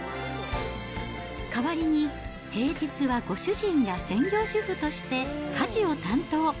代わりに平日はご主人が専業主夫として家事を担当。